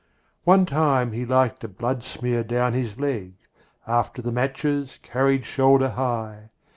One time he liked a bloodsmear down his leg, After the matches carried shoulder high.